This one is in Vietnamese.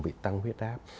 vị tăng huyết áp